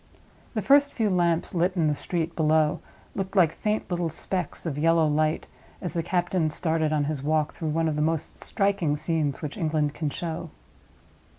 The first few lamps lit in the street below looked like faint little specks of yellow light, as the captain started on his walk through one of the most striking scenes which England can show.